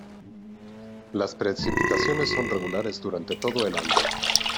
Las precipitaciones son regulares durante todo el año.